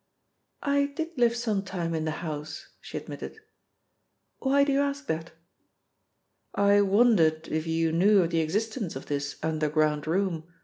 "I did live some time in the house," she admitted. "Why do you ask that?" "I wondered if you knew of the existence of this underground room?"